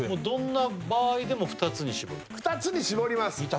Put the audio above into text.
どんな場合でも２つに絞る２つに絞ります